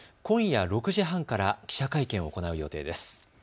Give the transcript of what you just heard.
今夜６時半から記者会見を行う予定です。